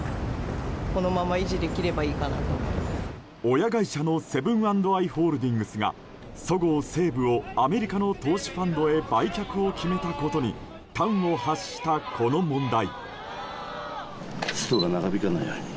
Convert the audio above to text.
親会社のセブン＆アイ・ホールディングスがそごう・西武をアメリカの投資ファンドへ売却を決めたことに端を発したこの問題。